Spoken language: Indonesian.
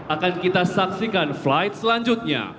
akan kita saksikan flight selanjutnya